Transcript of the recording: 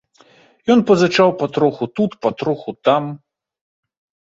Ён пазычаў патроху тут, патроху там.